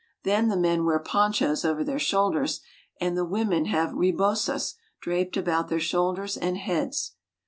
Then the men wear ponchos over their shoulders, and the women have rebosas draped about their shoulders and heads.